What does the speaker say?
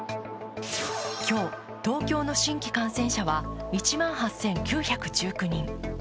今日、東京の新規感染者は１万８９１９人。